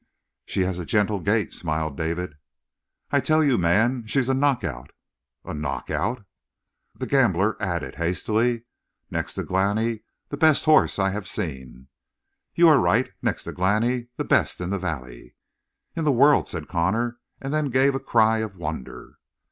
"She has a gentle gait," smiled David. "I tell you, man, she's a knockout!" "A knockout?" The gambler added hastily: "Next to Glani the best horse I have seen." "You are right. Next to Glani the best in the valley." "In the world," said Connor, and then gave a cry of wonder.